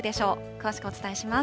詳しくお伝えします。